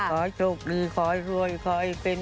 ขอโชคดีขอให้รวยขอให้เป็น